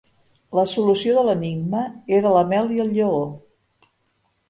La solució de l'enigma era la mel i el lleó.